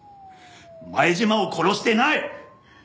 前島を殺してない！